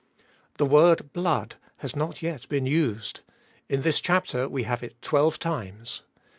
The word Blood has not yet been used : in this chapter we have it twelve times.